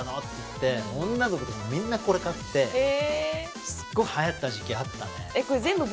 っていって女の子とかみんなこれ買ってへえすっごいはやった時期あったね